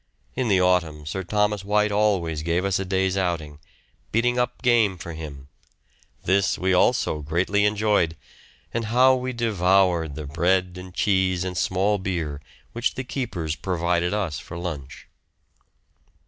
In the autumn Sir Thomas White always gave us a day's outing, beating up game for him; this we also greatly enjoyed; and how we devoured the bread and cheese and small beer which the keepers provided us for lunch!